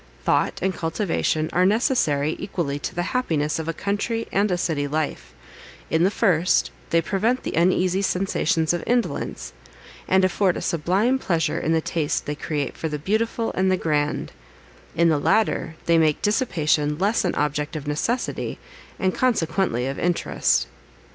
Thought, and cultivation, are necessary equally to the happiness of a country and a city life; in the first they prevent the uneasy sensations of indolence, and afford a sublime pleasure in the taste they create for the beautiful, and the grand; in the latter, they make dissipation less an object of necessity, and consequently of interest."